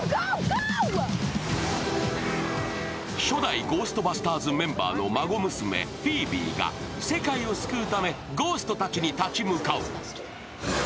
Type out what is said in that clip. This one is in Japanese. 初代ゴーストバスターズメンバーの孫娘・フィービーが世界を救うため、ゴーストたちに立ち向かう。